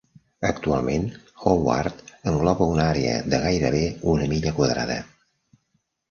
Actualment, Howard engloba una àrea de gairebé una milla quadrada.